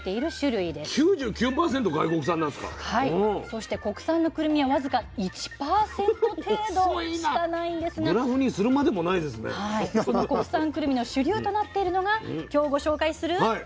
そして国産のくるみはわずか１％程度しかないんですがこの国産くるみの主流となっているのが今日ご紹介するこちらです。